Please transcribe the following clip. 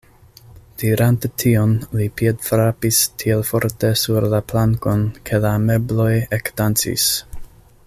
Dirante tion, li piedfrapis tiel forte sur la plankon, ke la mebloj ekdancis.